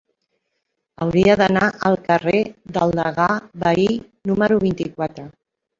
Hauria d'anar al carrer del Degà Bahí número vint-i-quatre.